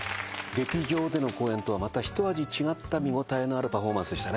劇場での公演とはまたひと味違った見応えのあるパフォーマンスでしたね。